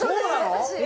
私。